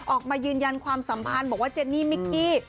ออกมายืนยันความสัมพันธ์บอกว่าเจนี่มิกกี้